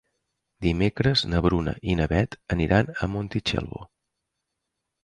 Dimecres na Bruna i na Beth aniran a Montitxelvo.